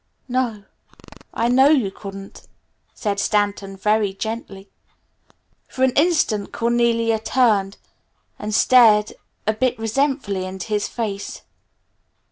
"No, I know you couldn't," said Stanton very gently. For an instant Cornelia turned and stared a bit resentfully into his face.